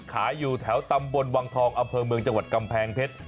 อยู่แถวตำบลวังทองอำเภอเมืองจังหวัดกำแพงเพชร